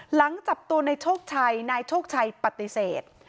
หลังจับตัวในโชคชัยนายโชคชัยปฏิเสธ